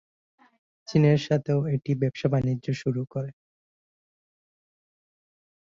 চীনের সাথেও এটি ব্যবসা-বাণিজ্য শুরু করে।